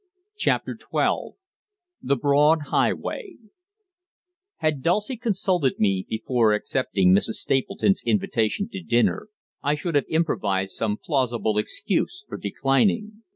CHAPTER XII THE BROAD HIGHWAY Had Dulcie consulted me before accepting Mrs. Stapleton's invitation to dinner I should have improvised some plausible excuse for declining.